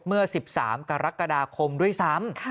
เมื่อ๑๓กรกฎาคมด้วยซ้ำ